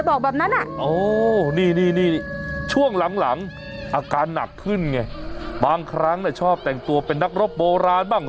โอ้นี่นี่นี่ช่วงหลังอาการหนักขึ้นไงบางครั้งเนี่ยชอบแต่งตัวเป็นนักรบโบราณบ้าง